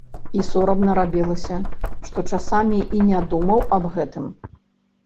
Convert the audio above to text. І сорамна рабілася, што часамі і не думаў аб гэтым.